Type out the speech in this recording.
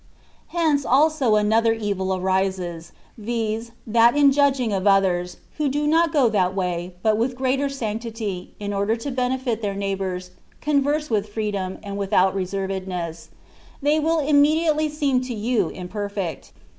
Hence also another evil arises, viz., that in judging of others (who do not go that way, but with greater sanctity, in order to benefit their neighbours, converse with freedom, and without reservedness), they w^l immediately seem to you imperfect.